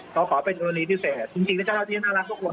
เขาขอเป็นกรณีพิเศษจริงแล้วเจ้าหน้าที่น่ารักทุกคน